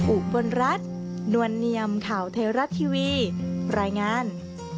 อุปลรัฐนวรรณียำข่าวเทราะทีวีรายงาน